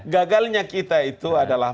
gagalnya kita itu adalah